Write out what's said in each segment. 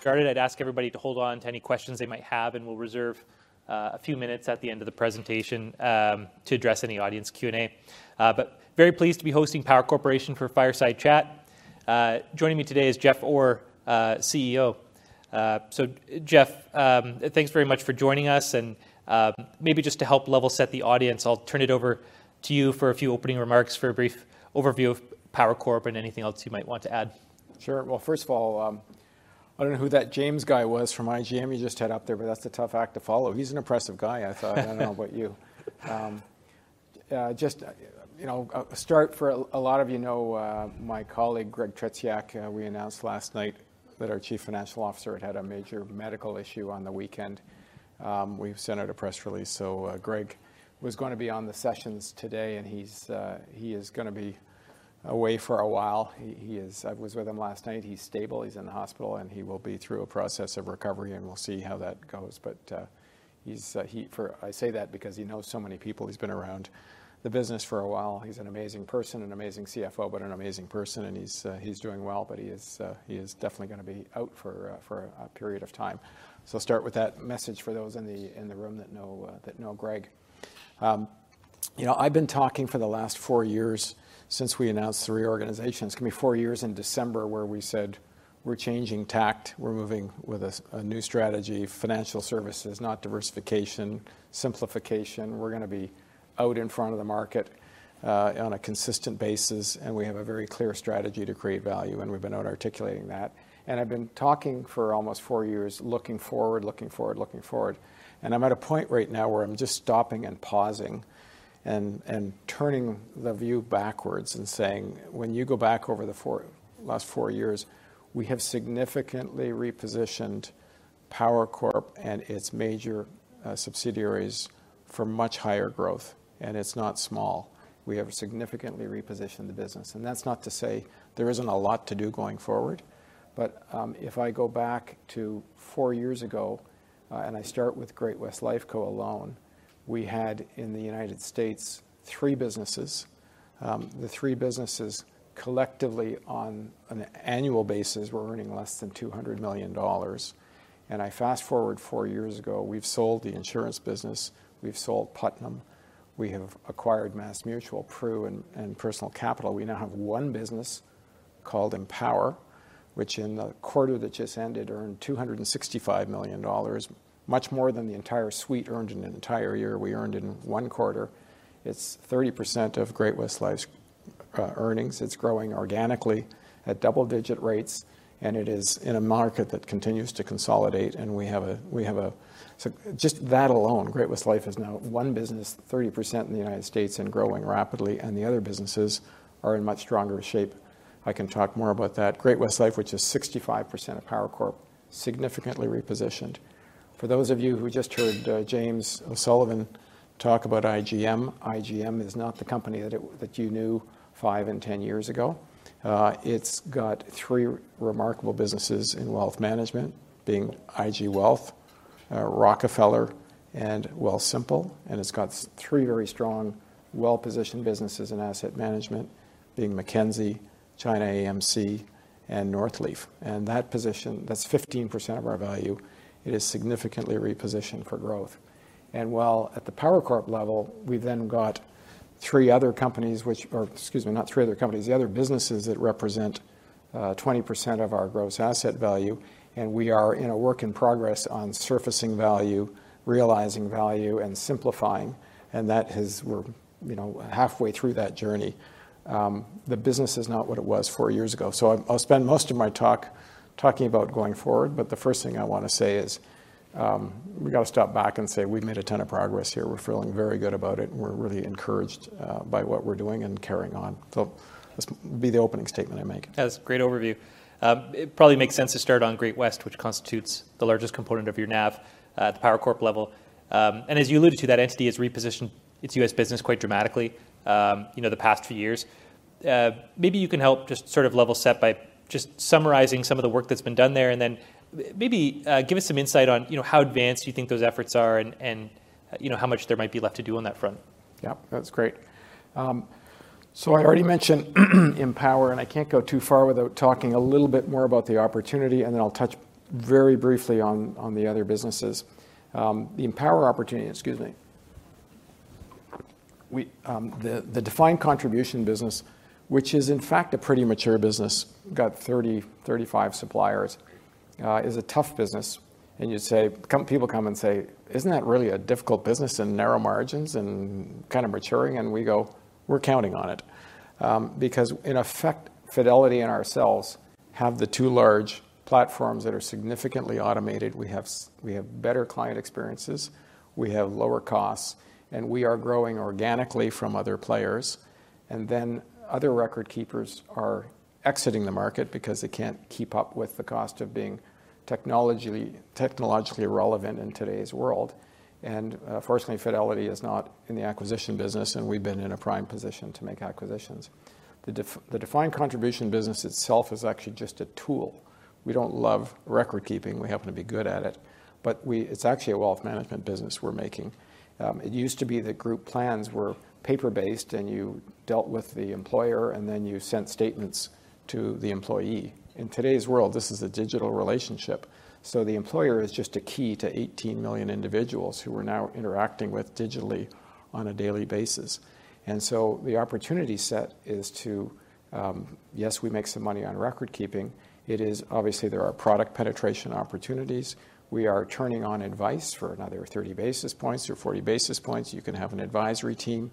Started, I'd ask everybody to hold on to any questions they might have, and we'll reserve a few minutes at the end of the presentation to address any audience Q&A. But very pleased to be hosting Power Corporation for fireside chat. Joining me today is Jeff Orr, CEO. So Jeff, thanks very much for joining us. And maybe just to help level set the audience, I'll turn it over to you for a few opening remarks for a brief overview of Power Corp and anything else you might want to add. Sure. Well, first of all, I don't know who that James guy was from IGM you just had up there, but that's a tough act to follow. He's an impressive guy, I thought. I don't know about you. Just, you know, start. For a lot of you know my colleague Greg Tretiak. We announced last night that our chief financial officer had had a major medical issue on the weekend. We sent out a press release. So Greg was going to be on the sessions today, and he's going to be away for a while. I was with him last night. He's stable. He's in the hospital, and he will be through a process of recovery, and we'll see how that goes. But I say that because he knows so many people. He's been around the business for a while. He's an amazing person, an amazing CFO, but an amazing person, and he's doing well, but he is definitely going to be out for a period of time, so I'll start with that message for those in the room that know Greg. You know, I've been talking for the last four years since we announced the reorganization. It's going to be four years in December where we said, we're changing tack. We're moving with a new strategy, financial services, not diversification, simplification. We're going to be out in front of the market on a consistent basis, and we have a very clear strategy to create value. And we've been out articulating that. And I've been talking for almost four years, looking forward, looking forward, looking forward. I'm at a point right now where I'm just stopping and pausing and turning the view backwards and saying, when you go back over the last four years, we have significantly repositioned Power Corp and its major subsidiaries for much higher growth. And it's not small. We have significantly repositioned the business. And that's not to say there isn't a lot to do going forward. But if I go back to four years ago and I start with Great-West Lifeco alone, we had in the United States three businesses. The three businesses collectively on an annual basis were earning less than $200 million. And I fast forward four years ago, we've sold the insurance business. We've sold Putnam. We have acquired MassMutual, Pru, and Personal Capital. We now have one business called Empower, which in the quarter that just ended earned $265 million, much more than the entire suite earned in an entire year. We earned in one quarter. It's 30% of Great-West Life's earnings. It's growing organically at double-digit rates, and it is in a market that continues to consolidate. And just that alone, Great-West Life is now one business, 30% in the United States and growing rapidly, and the other businesses are in much stronger shape. I can talk more about that. Great-West Life, which is 65% of Power Corp, significantly repositioned. For those of you who just heard James O'Sullivan talk about IGM, IGM is not the company that you knew five and ten years ago. It's got three remarkable businesses in wealth management, being IG Wealth, Rockefeller, and Wealthsimple. And it's got three very strong, well-positioned businesses in asset management, being Mackenzie, ChinaAMC, and Northleaf. And that position, that's 15% of our value. It is significantly repositioned for growth. And while at the Power Corp level, we've then got three other companies, which are excuse me, not three other companies, the other businesses that represent 20% of our gross asset value. And we are in a work in progress on surfacing value, realizing value, and simplifying. And that has we're halfway through that journey. The business is not what it was four years ago. So I'll spend most of my talk talking about going forward. But the first thing I want to say is we've got to step back and say we've made a ton of progress here. We're feeling very good about it. We're really encouraged by what we're doing and carrying on. This will be the opening statement I make. That's a great overview. It probably makes sense to start on Great-West, which constitutes the largest component of your NAV at the Power Corp level. As you alluded to, that entity has repositioned its U.S. business quite dramatically the past few years. Maybe you can help just sort of level set by just summarizing some of the work that's been done there. Then maybe give us some insight on how advanced you think those efforts are and how much there might be left to do on that front. Yeah, that's great, so I already mentioned Empower, and I can't go too far without talking a little bit more about the opportunity, and then I'll touch very briefly on the other businesses. The Empower opportunity. Excuse me. The defined contribution business, which is in fact a pretty mature business, got 30-35 suppliers, is a tough business, and you'd say people come and say, isn't that really a difficult business in narrow margins and kind of maturing, and we go, we're counting on it. Because in effect, Fidelity and ourselves have the two large platforms that are significantly automated. We have better client experiences. We have lower costs, and we are growing organically from other players, and then other record keepers are exiting the market because they can't keep up with the cost of being technologically relevant in today's world, and fortunately, Fidelity is not in the acquisition business. We've been in a prime position to make acquisitions. The defined contribution business itself is actually just a tool. We don't love recordkeeping. We happen to be good at it. It's actually a wealth management business we're making. It used to be that group plans were paper-based, and you dealt with the employer, and then you sent statements to the employee. In today's world, this is a digital relationship. The employer is just a key to 18 million individuals who are now interacting with digitally on a daily basis. The opportunity set is to yes, we make some money on recordkeeping. It is obviously there are product penetration opportunities. We are turning on advice for another 30 basis points or 40 basis points. You can have an advisory team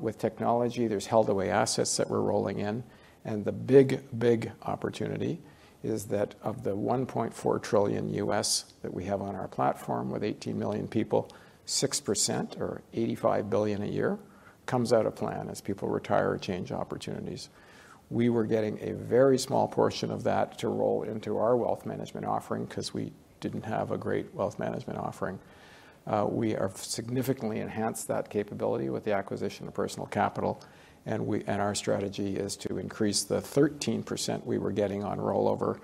with technology. There's held away assets that we're rolling in. The big, big opportunity is that of the $1.4 trillion U.S. that we have on our platform with 18 million people, 6% or $85 billion a year comes out of plan as people retire or change opportunities. We were getting a very small portion of that to roll into our wealth management offering because we didn't have a great wealth management offering. We have significantly enhanced that capability with the acquisition of Personal Capital. Our strategy is to increase the 13% we were getting on rollover.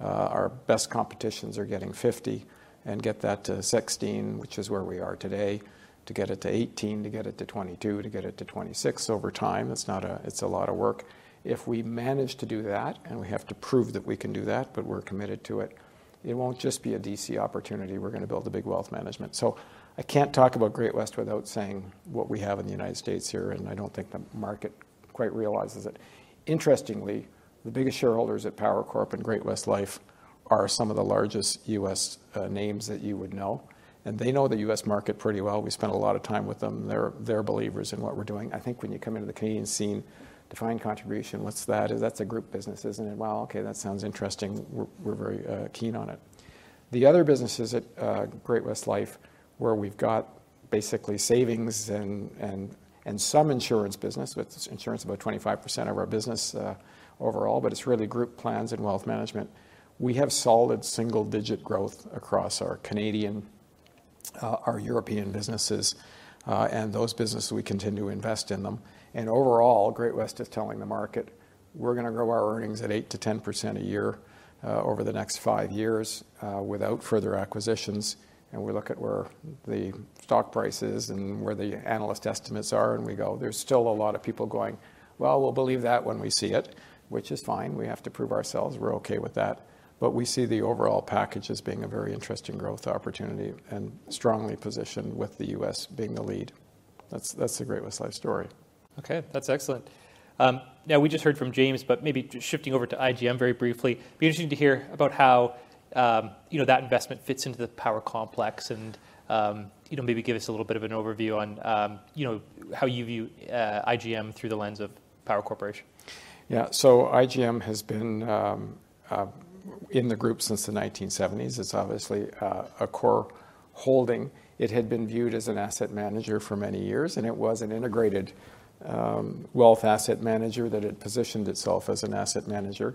Our best competitors are getting 50% and get that to 16%, which is where we are today, to get it to 18%, to get it to 22%, to get it to 26% over time. It's a lot of work. If we manage to do that, and we have to prove that we can do that, but we're committed to it, it won't just be a DC opportunity. We're going to build a big wealth management. So I can't talk about Great-West without saying what we have in the United States here. And I don't think the market quite realizes it. Interestingly, the biggest shareholders at Power Corp and Great-West Life are some of the largest U.S. names that you would know. And they know the U.S. market pretty well. We spend a lot of time with them. They're believers in what we're doing. I think when you come into the Canadian scene, defined contribution, what's that? That's a group business, isn't it? Well, OK, that sounds interesting. We're very keen on it. The other businesses at Great-West Life where we've got basically savings and some insurance business, which insurance is about 25% of our business overall, but it's really group plans and wealth management. We have solid single-digit growth across our Canadian, our European businesses. And those businesses, we continue to invest in them. And overall, Great-West is telling the market we're going to grow our earnings at 8%-10% a year over the next five years without further acquisitions. And we look at where the stock price is and where the analyst estimates are. And we go, there's still a lot of people going, well, we'll believe that when we see it, which is fine. We have to prove ourselves we're Okay with that. But we see the overall package as being a very interesting growth opportunity and strongly positioned with the U.S. being the lead. That's the Great-West Life story. OK, that's excellent. Now we just heard from James, but maybe shifting over to IGM very briefly, it'd be interesting to hear about how that investment fits into the Power complex, and maybe give us a little bit of an overview on how you view IGM through the lens of Power Corporation. Yeah, so IGM has been in the group since the 1970s. It's obviously a core holding. It had been viewed as an asset manager for many years. And it was an integrated wealth asset manager that had positioned itself as an asset manager.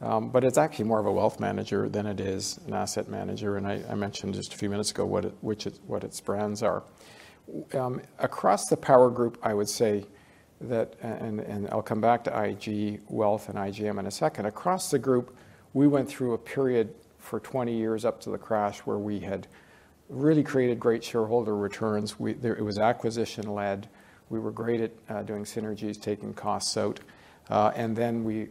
But it's actually more of a wealth manager than it is an asset manager. And I mentioned just a few minutes ago what its brands are. Across the Power Group, I would say that and I'll come back to IG Wealth and IGM in a second. Across the group, we went through a period for 20 years up to the crash where we had really created great shareholder returns. It was acquisition-led. We were great at doing synergies, taking costs out. And then we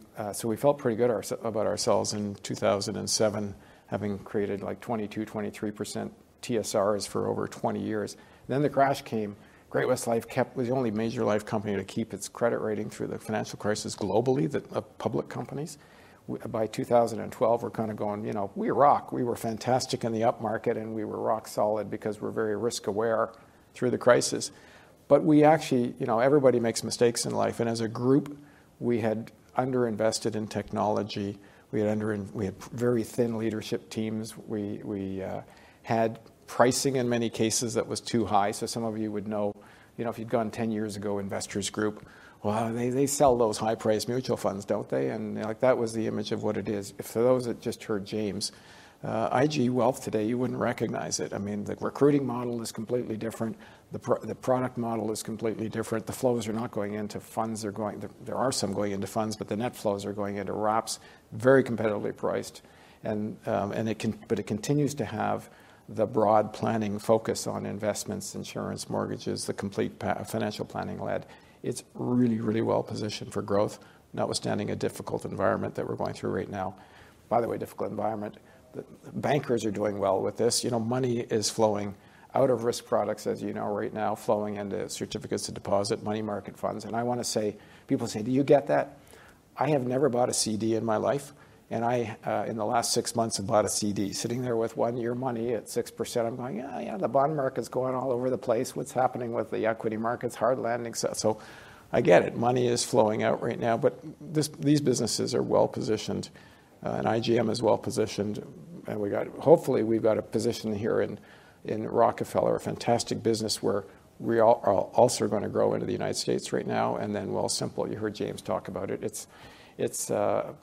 felt pretty good about ourselves in 2007, having created like 22%, 23% TSRs for over 20 years. Then the crash came. Great-West Life was the only major life company to keep its credit rating through the financial crisis globally of public companies. By 2012, we're kind of going, you know, we rock. We were fantastic in the up market. And we were rock solid because we're very risk-aware through the crisis. But we actually you know, everybody makes mistakes in life. And as a group, we had underinvested in technology. We had very thin leadership teams. We had pricing in many cases that was too high. So some of you would know, you know, if you'd gone 10 years ago, Investors Group, well, they sell those high-priced mutual funds, don't they? And that was the image of what it is. For those that just heard James, IG Wealth today, you wouldn't recognize it. I mean, the recruiting model is completely different. The product model is completely different. The flows are not going into funds. There are some going into funds, but the net flows are going into wraps, very competitively priced. It continues to have the broad planning focus on investments, insurance, mortgages, the complete financial planning-led. It's really, really well-positioned for growth, notwithstanding a difficult environment that we're going through right now. By the way, difficult environment. Bankers are doing well with this. You know, money is flowing out of risk products, as you know right now, flowing into certificates of deposit, money market funds. And I want to say people say, do you get that? I have never bought a CD in my life. And in the last six months have bought a CD, sitting there with one-year money at 6%. I'm going, yeah, yeah, the bond market's going all over the place. What's happening with the equity markets? Hard landing. I get it. Money is flowing out right now. But these businesses are well-positioned. And IGM is well-positioned. And we got hopefully, we've got a position here in Rockefeller, a fantastic business where we are also going to grow into the United States right now. And then Wealthsimple, you heard James talk about it. It's the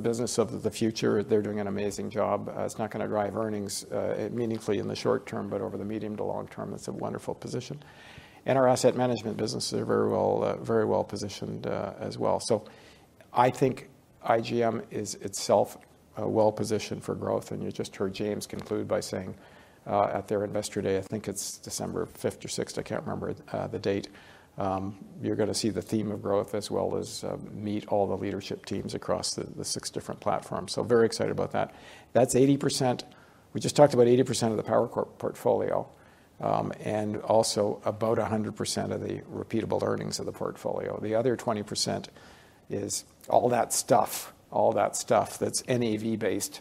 business of the future. They're doing an amazing job. It's not going to drive earnings meaningfully in the short term, but over the medium to long term, it's a wonderful position. And our asset management businesses are very well-positioned as well. So I think IGM is itself well-positioned for growth. You just heard James conclude by saying at their Investor Day, I think it's December 5th or 6th, I can't remember the date, you're going to see the theme of growth as well as meet all the leadership teams across the six different platforms. So very excited about that. That's 80%. We just talked about 80% of the Power Corp portfolio and also about 100% of the repeatable earnings of the portfolio. The other 20% is all that stuff, all that stuff that's NAV-based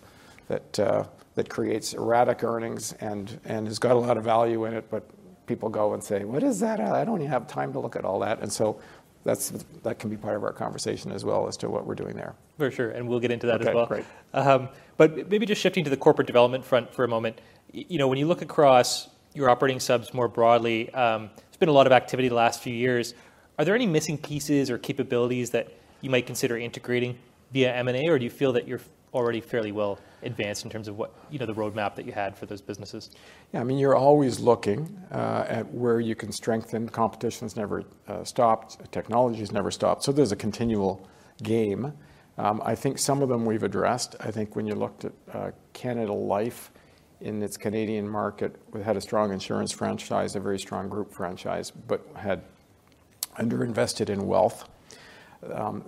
that creates erratic earnings and has got a lot of value in it. But people go and say, what is that? I don't even have time to look at all that. And so that can be part of our conversation as well as to what we're doing there. For sure, and we'll get into that as well. OK, great. But maybe just shifting to the corporate development front for a moment. You know, when you look across your operating subs more broadly, there's been a lot of activity the last few years. Are there any missing pieces or capabilities that you might consider integrating via M&A? Or do you feel that you're already fairly well advanced in terms of what the roadmap that you had for those businesses? Yeah, I mean, you're always looking at where you can strengthen. Competition has never stopped. Technology has never stopped. So there's a continual game. I think some of them we've addressed. I think when you looked at Canada Life in its Canadian market, we had a strong insurance franchise, a very strong group franchise, but had underinvested in wealth.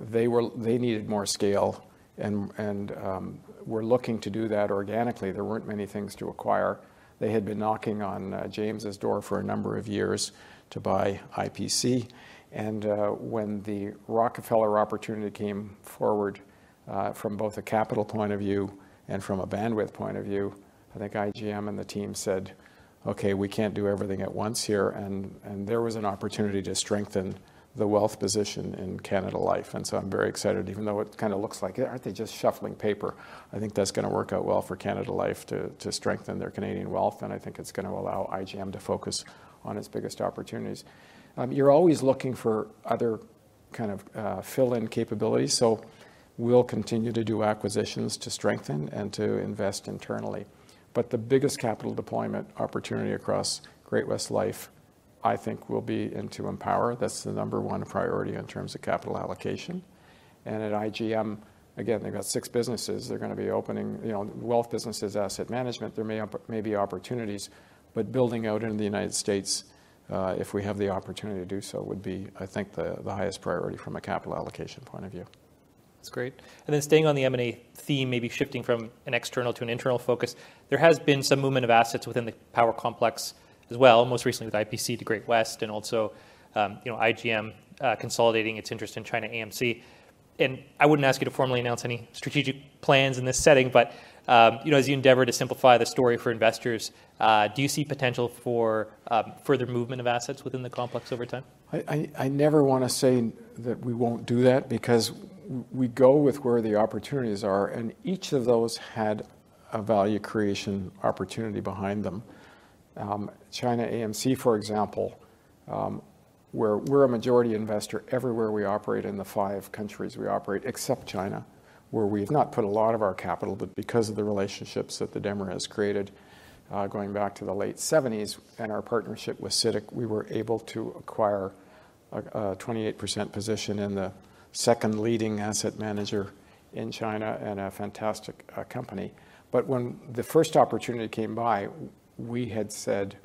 They needed more scale. And we're looking to do that organically. There weren't many things to acquire. They had been knocking on James's door for a number of years to buy IPC. And when the Rockefeller opportunity came forward from both a capital point of view and from a bandwidth point of view, I think IGM and the team said, OK, we can't do everything at once here. And there was an opportunity to strengthen the wealth position in Canada Life. And so I'm very excited, even though it kind of looks like aren't they just shuffling paper. I think that's going to work out well for Canada Life to strengthen their Canadian wealth. And I think it's going to allow IGM to focus on its biggest opportunities. You're always looking for other kind of fill-in capabilities. So we'll continue to do acquisitions to strengthen and to invest internally. But the biggest capital deployment opportunity across Great-West Life, I think, will be into Empower. That's the number one priority in terms of capital allocation. And at IGM, again, they've got six businesses. They're going to be opening wealth businesses, asset management. There may be opportunities. But building out in the United States, if we have the opportunity to do so, would be, I think, the highest priority from a capital allocation point of view. That's great. Then staying on the M&A theme, maybe shifting from an external to an internal focus, there has been some movement of assets within the Power complex as well, most recently with IPC to Great-West and also IGM consolidating its interest in ChinaAMC. I wouldn't ask you to formally announce any strategic plans in this setting. But as you endeavor to simplify the story for investors, do you see potential for further movement of assets within the complex over time? I never want to say that we won't do that because we go with where the opportunities are. And each of those had a value creation opportunity behind them. ChinaAMC, for example, where we're a majority investor everywhere we operate in the five countries we operate, except China, where we've not put a lot of our capital. But because of the relationships that the Desmarais has created going back to the late 1970s and our partnership with CITIC, we were able to acquire a 28% position in the second leading asset manager in China and a fantastic company. But when the first opportunity came by, we had said,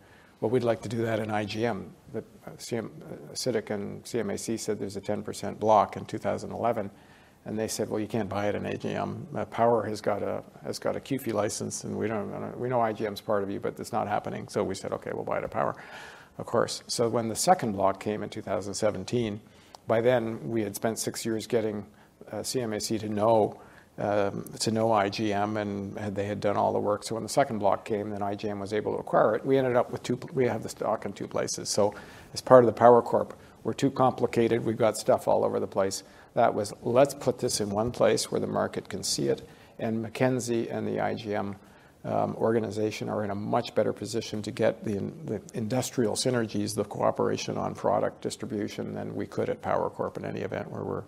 well, we'd like to do that in IGM. CITIC and ChinaAMC said there's a 10% block in 2011. And they said, well, you can't buy it in IGM. Power has got a QFII license. We know IGM's part of you, but it's not happening. So we said, OK, we'll buy it at Power, of course. So when the second block came in 2017, by then, we had spent six years getting ChinaAMC to know IGM. And they had done all the work. So when the second block came, then IGM was able to acquire it. We ended up with two. We have the stock in two places. So as part of the Power Corp, we're too complicated. We've got stuff all over the place. That was, let's put this in one place where the market can see it. And Mackenzie and the IGM organization are in a much better position to get the industrial synergies, the cooperation on product distribution than we could at Power Corp in any event where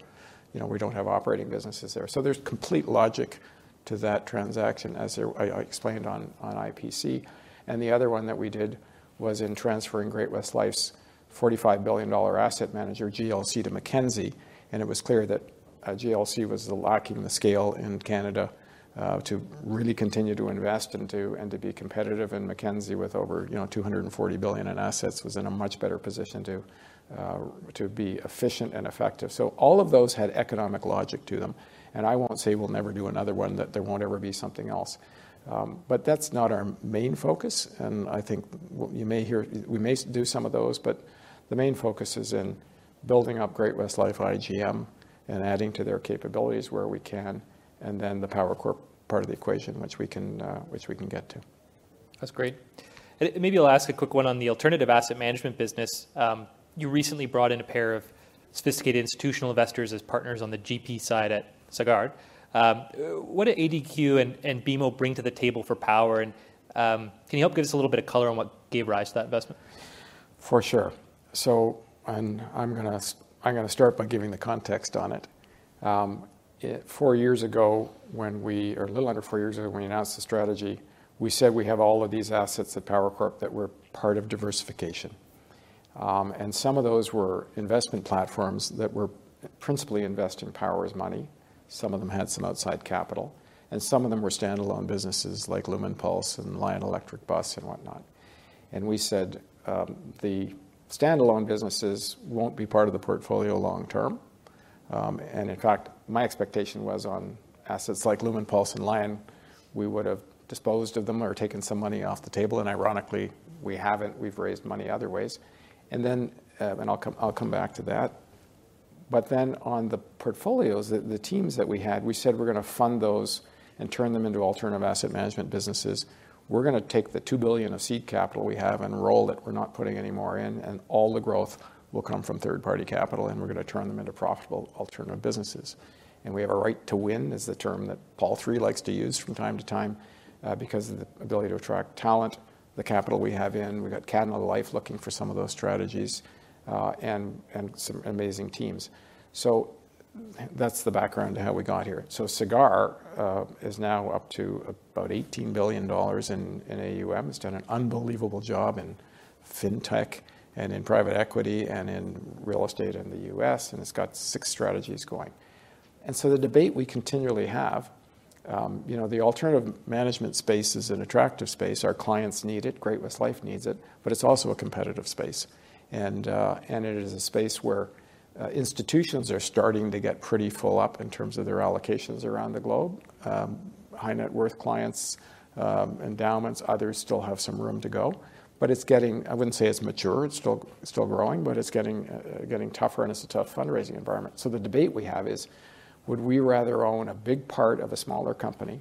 we don't have operating businesses there. There's complete logic to that transaction, as I explained on IPC. And the other one that we did was in transferring Great-West Life's 45 billion dollar asset manager GLC to Mackenzie. And it was clear that GLC was lacking the scale in Canada to really continue to invest and to be competitive. And Mackenzie, with over 240 billion in assets, was in a much better position to be efficient and effective. So all of those had economic logic to them. And I won't say we'll never do another one, that there won't ever be something else. But that's not our main focus. And I think you may hear we may do some of those. But the main focus is in building up Great-West Life, IGM, and adding to their capabilities where we can. And then the Power Corp part of the equation, which we can get to. That's great, and maybe I'll ask a quick one on the alternative asset management business. You recently brought in a pair of sophisticated institutional investors as partners on the GP side at Sagard. What do ADQ and BMO bring to the table for Power, and can you help give us a little bit of color on what gave rise to that investment? For sure. So I'm going to start by giving the context on it. Four years ago, or a little under four years ago, when we announced the strategy, we said we have all of these assets at Power Corp that were part of diversification. And some of those were investment platforms that were principally investing Power's money. Some of them had some outside capital. And some of them were standalone businesses like Lumenpulse and Lion Electric and whatnot. And we said the standalone businesses won't be part of the portfolio long term. And in fact, my expectation was on assets like Lumenpulse and Lion, we would have disposed of them or taken some money off the table. And ironically, we haven't. We've raised money other ways. And then I'll come back to that. But then on the portfolios, the teams that we had, we said we're going to fund those and turn them into alternative asset management businesses. We're going to take the 2 billion of seed capital we have and roll it. We're not putting any more in. And all the growth will come from third-party capital. And we're going to turn them into profitable alternative businesses. And we have a right to win, is the term that Paul Desmarais III likes to use from time to time because of the ability to attract talent, the capital we have in. We've got Canada Life looking for some of those strategies and some amazing teams. So that's the background to how we got here. So Sagard is now up to about 18 billion dollars in AUM. It's done an unbelievable job in fintech and in private equity and in real estate in the U.S. It's got six strategies going. So the debate we continually have, the alternative asset management space is an attractive space. Our clients need it. Great-West Life needs it. But it's also a competitive space. And it is a space where institutions are starting to get pretty full up in terms of their allocations around the globe. High-net-worth clients, endowments, others still have some room to go. But it's getting. I wouldn't say it's mature. It's still growing. But it's getting tougher. And it's a tough fundraising environment. So the debate we have is, would we rather own a big part of a smaller company?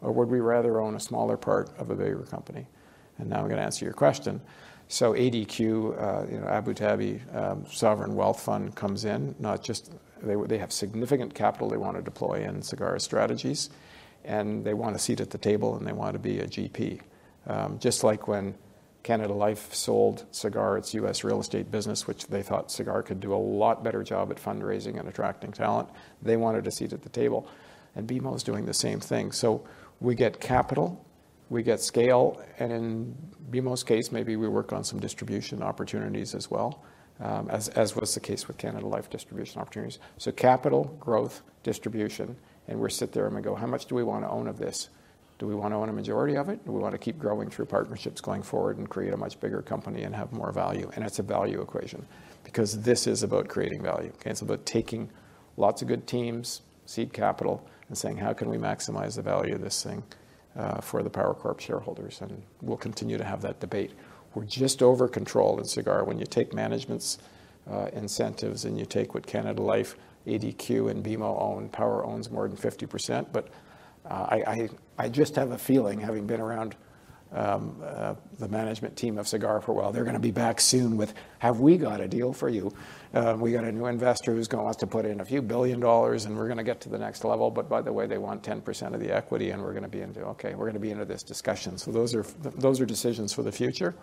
Or would we rather own a smaller part of a bigger company? And now I'm going to answer your question. So ADQ, Abu Dhabi Sovereign Wealth Fund comes in. Not just they have significant capital they want to deploy in Sagard's strategies. They want a seat at the table. They want to be a GP. Just like when Canada Life sold Sagard, its U.S. real estate business, which they thought Sagard could do a lot better job at fundraising and attracting talent, they wanted a seat at the table. BMO is doing the same thing. We get capital. We get scale. In BMO's case, maybe we work on some distribution opportunities as well, as was the case with Canada Life distribution opportunities. Capital, growth, distribution. We sit there and we go, how much do we want to own of this? Do we want to own a majority of it? Do we want to keep growing through partnerships going forward and create a much bigger company and have more value? It is a value equation because this is about creating value. It's about taking lots of good teams, seed capital, and saying, how can we maximize the value of this thing for the Power Corp shareholders? We'll continue to have that debate. We're just over control in Sagard. When you take management's incentives and you take what Canada Life, ADQ, and BMO own, Power owns more than 50%. But I just have a feeling, having been around the management team of Sagard for a while, they're going to be back soon with, have we got a deal for you? We got a new investor who's going to want to put in a few billion dollars. We're going to get to the next level. But by the way, they want 10% of the equity. We're going to be into it, OK. We're going to be into this discussion. Those are decisions for the future.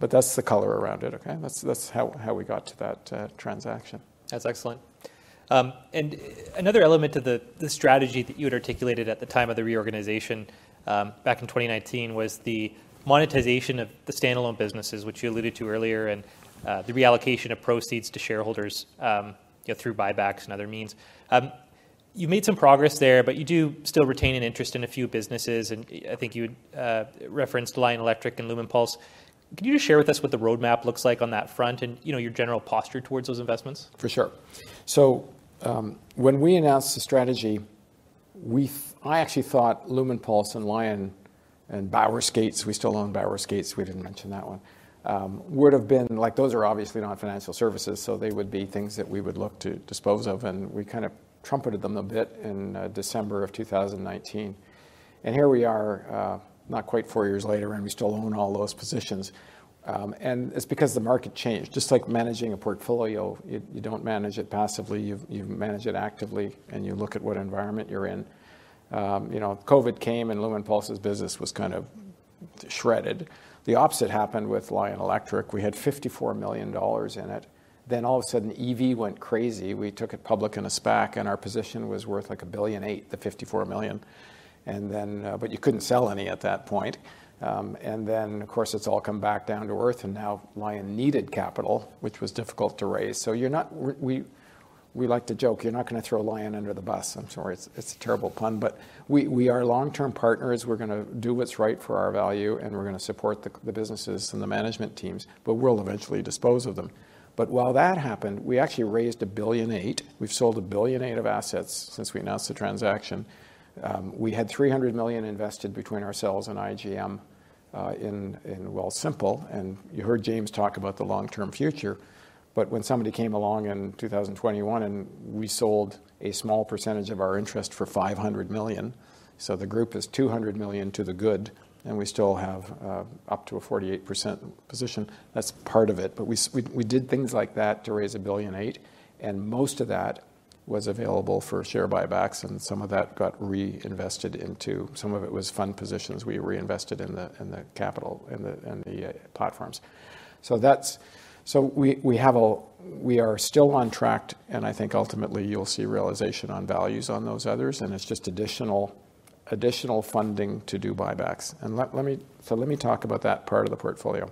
But that's the color around it. Okay. That's how we got to that transaction. That's excellent. And another element to the strategy that you had articulated at the time of the reorganization back in 2019 was the monetization of the standalone businesses, which you alluded to earlier, and the reallocation of proceeds to shareholders through buybacks and other means. You made some progress there. But you do still retain an interest in a few businesses. And I think you had referenced Lion Electric and Lumenpulse. Can you just share with us what the roadmap looks like on that front and your general posture towards those investments? For sure. So when we announced the strategy, I actually thought Lumenpulse and Lion and Bauer skates we still own Bauer skates. We didn't mention that one would have been like, those are obviously not financial services. So they would be things that we would look to dispose of. And we kind of trumpeted them a bit in December of 2019. And here we are, not quite four years later. And we still own all those positions. And it's because the market changed. Just like managing a portfolio, you don't manage it passively. You manage it actively. And you look at what environment you're in. COVID came. And Lumenpulse's business was kind of shredded. The opposite happened with Lion Electric. We had 54 million dollars in it. Then all of a sudden, EV went crazy. We took it public in a SPAC. Our position was worth like 1.8 billion, the 54 million. You couldn't sell any at that point. Then, of course, it's all come back down to earth. Now Lion needed capital, which was difficult to raise. We like to joke, you're not going to throw Lion under the bus. I'm sorry. It's a terrible pun. We are long-term partners. We're going to do what's right for our value. We're going to support the businesses and the management teams. We'll eventually dispose of them. While that happened, we actually raised 1.8 billion. We've sold 1.8 billion of assets since we announced the transaction. We had 300 million invested between ourselves and IGM in Wealthsimple. You heard James talk about the long-term future. But when somebody came along in 2021, and we sold a small percentage of our interest for 500 million. So the group is 200 million to the good. And we still have up to a 48% position. That's part of it. But we did things like that to raise 1.8 billion. And most of that was available for share buybacks. And some of that got reinvested into some of it was fund positions we reinvested in the capital and the platforms. So we are still on track. And I think ultimately, you'll see realization on values on those others. And it's just additional funding to do buybacks. And so let me talk about that part of the portfolio.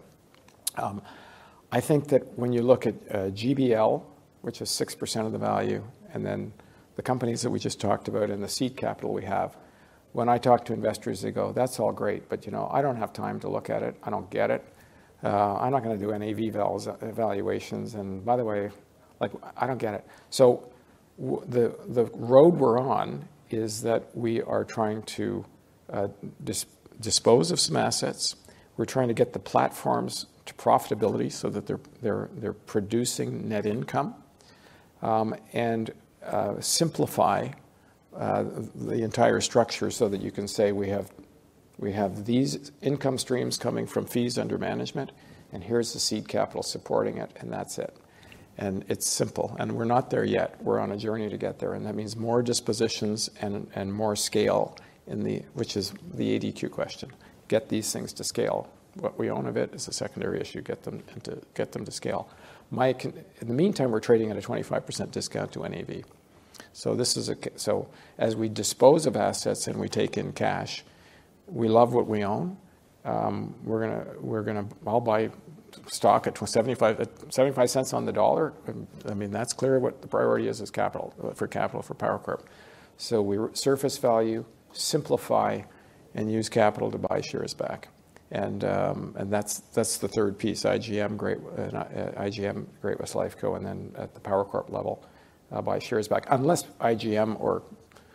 I think that when you look at GBL, which is 6% of the value, and then the companies that we just talked about, and the seed capital we have, when I talk to investors, they go, "That's all great. But I don't have time to look at it. I don't get it. I'm not going to do any EV valuations. And by the way, I don't get it." So the road we're on is that we are trying to dispose of some assets. We're trying to get the platforms to profitability so that they're producing net income and simplify the entire structure so that you can say we have these income streams coming from fees under management. And here's the seed capital supporting it. And that's it. And it's simple. And we're not there yet. We're on a journey to get there. That means more dispositions and more scale, which is the ADQ question. Get these things to scale. What we own of it is a secondary issue. Get them to scale. In the meantime, we're trading at a 25% discount to NAV. So as we dispose of assets and we take in cash, we love what we own. We're going to. I'll buy stock at $0.75 on the dollar. I mean, that's clear what the priority is for capital for Power Corp. So we surface value, simplify, and use capital to buy shares back. That's the third piece, IGM, Great-West Life. Then at the Power Corp level, buy shares back. Unless IGM or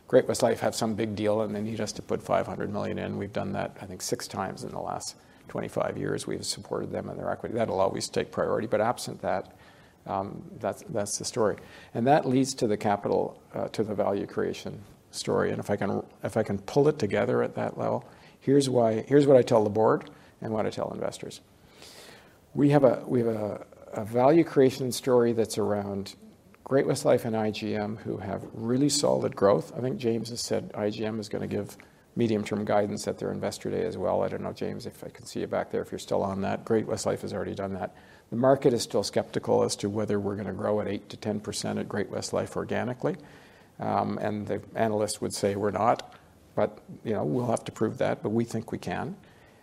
Great-West Life have some big deal and they need us to put $500 million in, we've done that, I think, six times in the last 25 years. We've supported them and their equity. That'll always take priority. But absent that, that's the story. And that leads to the value creation story. And if I can pull it together at that level, here's what I tell the board and what I tell investors. We have a value creation story that's around Great-West Life and IGM, who have really solid growth. I think James has said IGM is going to give medium-term guidance at their Investor Day as well. I don't know, James, if I can see you back there if you're still on that. Great-West Life has already done that. The market is still skeptical as to whether we're going to grow at 8%-10% at Great-West Life organically. And the analysts would say we're not. But we'll have to prove that. But we think we can.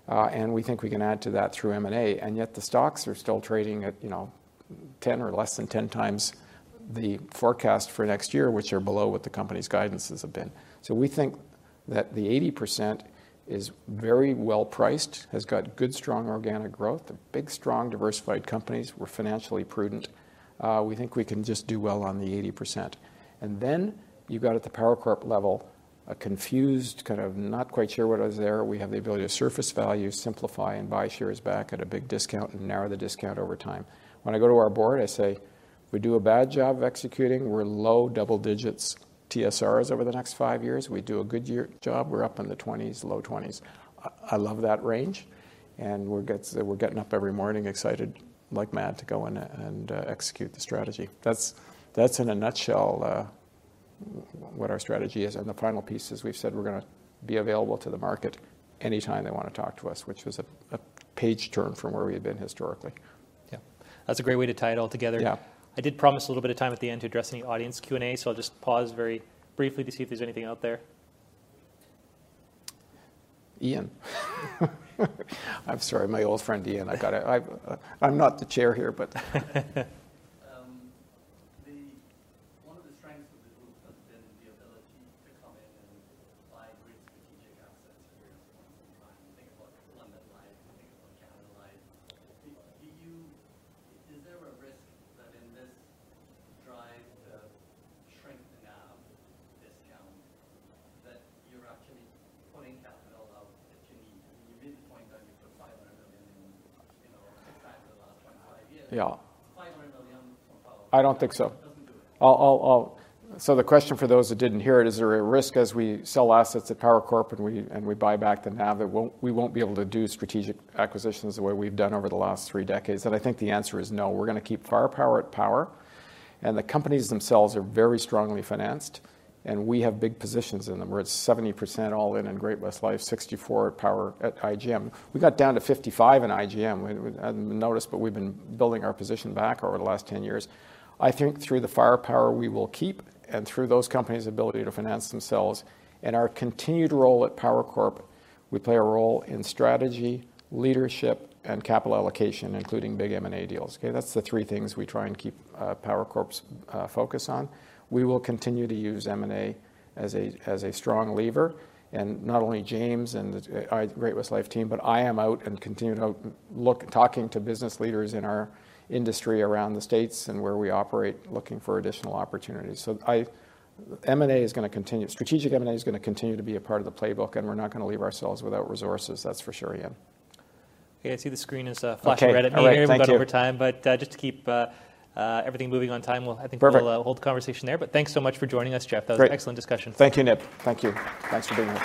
And we think we can add to that through M&A. And yet the stocks are still trading at 10 or less than 10 times the forecast for next year, which are below what the company's guidances have been. So we think that the 80% is very well priced, has got good, strong organic growth, big strong diversified companies. We're financially prudent. We think we can just do well on the 80%. And then you've got at the Power Corp level, a confused kind of not quite sure what was there. We have the ability to surface value, simplify, and buy shares back at a big discount and narrow the discount over time. When I go to our board, I say we do a bad job of executing. We're low double digits TSRs over the next five years. We do a good job. We're up in the 20s, low 20s. I love that range. And we're getting up every morning excited like mad to go and execute the strategy. That's, in a nutshell, I don't think so. So the question for those who didn't hear it is, is there a risk as we sell assets at Power Corporation and we buy back the NAV that we won't be able to do strategic acquisitions the way we've done over the last three decades? And I think the answer is no. We're going to keep firepower at Power. And the companies themselves are very strongly financed. And we have big positions in them. We're at 70% all in in Great-West Life, 64% at IGM. We got down to 55% in IGM. I didn't notice. But we've been building our position back over the last 10 years. I think through the firepower we will keep and through those companies' ability to finance themselves. In our continued role at Power Corp, we play a role in strategy, leadership, and capital allocation, including big M&A deals. Okay? That's the three things we try and keep Power Corp's focus on. We will continue to use M&A as a strong lever, and not only James and Great-West Life team, but I am out and continue to talking to business leaders in our industry around the States and where we operate, looking for additional opportunities, so M&A is going to continue. Strategic M&A is going to continue to be a part of the playbook, and we're not going to leave ourselves without resources, that's for sure, Ian. I see the screen is flashing red. I know we've got over time. But just to keep everything moving on time, I think we'll hold the conversation there. But thanks so much for joining us, Jeff. That was an excellent discussion. Thank you, Nik. Thank you. Thanks for being here.